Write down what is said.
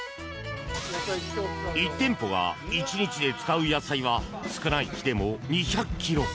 １店舗が１日で使う野菜は少ない日でも２００ｋｇ。